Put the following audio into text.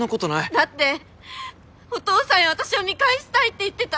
だってお父さんや私を見返したいって言ってた。